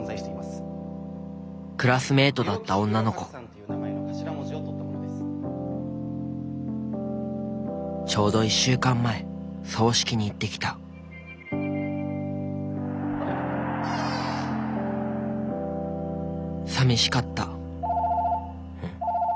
クラスメートだった女の子ちょうど１週間前葬式に行ってきたさみしかった☎ん？